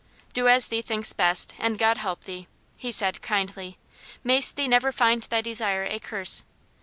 "Do as thee thinks best, and God help thee," he said, kindly. "Mayst thee never find thy desire a curse.